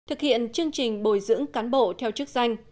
thực hiện chương trình bồi dưỡng cán bộ theo chức danh